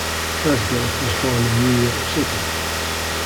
Kasdorf was born in New York City.